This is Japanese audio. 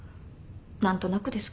何となくですけど。